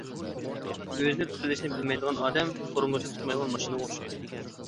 ئۆزىنى تۇتۇۋېلىشنى بىلمەيدىغان ئادەم تورمۇزى تۇتمايدىغان ماشىنىغا ئوخشايدۇ.